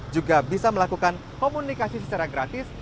juga bisa melakukan komunikasi secara gratis